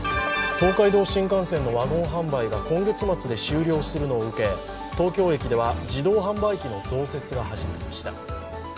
東海道新幹線のワゴン販売が今月末で終了するのを受け東京駅では自動販売機の増設が始まりました。